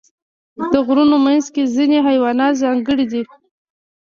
د غرونو منځ کې ځینې حیوانات ځانګړي وي.